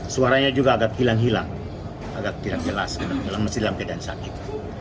suaranya juga agak hilang hilang agak tidak jelas memang masih dalam keadaan sakit